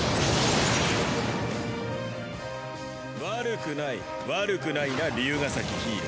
悪くない悪くないな竜ヶ崎ヒイロ。